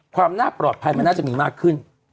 ความน่าปลอดภัยมันน่าจะมีมากขึ้น